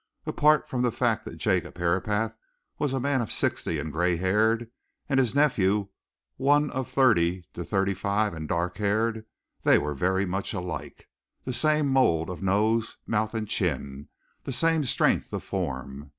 Apart from the fact that Jacob Herapath was a man of sixty and grey haired, and his nephew one of thirty to thirty five and dark haired, they were very much alike the same mould of nose, mouth, and chin, the same strength of form.